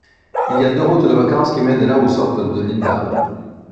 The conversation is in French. Il y a deux routes de vacances qui mènent à ou sortent de Lindau.